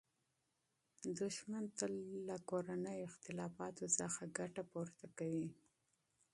دښمن تل له کورنیو اختلافاتو څخه ګټه پورته کوي.